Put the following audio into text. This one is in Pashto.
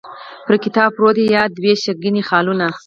پر کتاب پروت یې یادوې شینکي خالونه